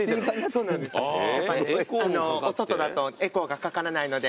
お外だとエコーがかからないので。